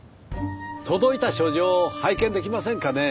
届いた書状を拝見できませんかね？